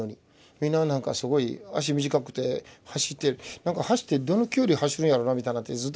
みんななんかすごい足短くて走って走ってどの距離走るんやろなみたいになってずっと見てて。